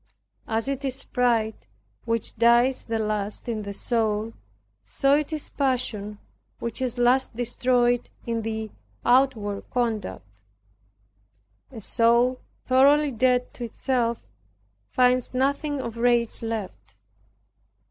As it is pride which dies the last in the soul, so it is passion which is last destroyed in the outward conduct. A soul thoroughly dead to itself, finds nothing of rage left.